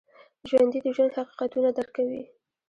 ژوندي د ژوند حقیقتونه درک کوي